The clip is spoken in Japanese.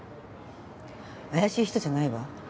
怪しい人じゃないわ。